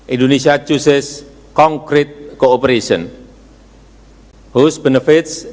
indonesia memilih untuk menggunakan kooperasi yang konkrit